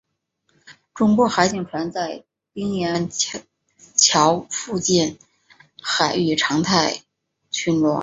中国海警船在丁岩礁附近海域常态巡逻。